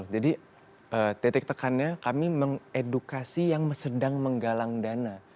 jadi titik tekannya kami mengedukasi yang sedang menggalang dana